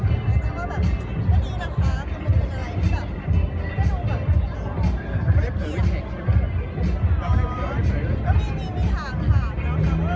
เพราะฉะนั้นถ้าผมว่าทุกคนคิดว่าถ้าแกโดยเจ้าเลยมันก็ควรทันแหละ